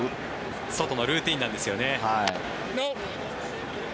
ソトのルーティンなんですよね。